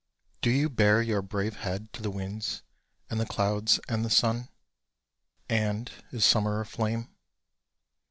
Do you bare your brave head to the winds and the clouds and the sun? And is Summer aflame?